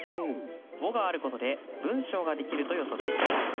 「を」があることで文章ができると予測できます。